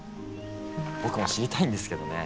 僕も知りたいんですけどね